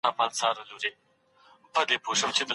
خاوند پر ميرمني کوم خاص حقوق لري؟